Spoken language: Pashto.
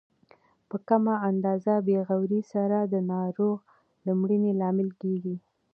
په کمه اندازه بې غورۍ سره د ناروغ د مړینې لامل کیږي.